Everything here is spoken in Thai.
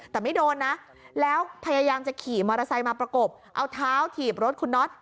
แต่ไม่โดนนะแล้วพยายามจะขี่มอเตอร์ไซค์มาประกบเอาเท้าถีบรถคุณน็อต